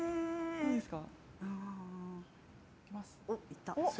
どうですか？